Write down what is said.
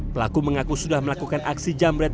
pelaku mengaku sudah melakukan aksi jambret